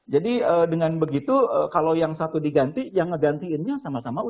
jadi dengan begitu kalau yang satu diganti yang ngegantiinnya sama sama u sembilan belas